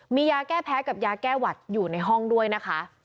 มียาแก้แพ้กับยาแก้หวัดอยู่ในห้องด้วยนะคะ